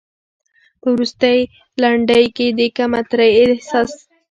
په وروستۍ لنډۍ کې د کمترۍ د احساس